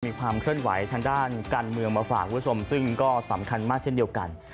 มีความเคลื่อนไหวทางด้านการเมืองมาฝากคุณผู้ชมซึ่งก็สำคัญมากเช่นเดียวกัน